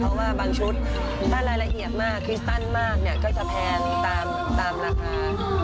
เพราะบางชุดถ้าระเหยียบมากแคสตั้นมากเว้นไทยยังจะแพงอยู่ตามราคา